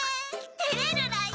てれるらよ！